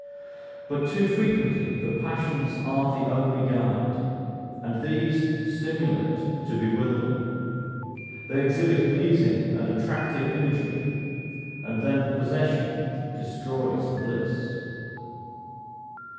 But too frequently the passions are the only guide, and these stimulate to bewilder: they exhibit pleasing and attractive imagery, and then the possession destroys the bliss.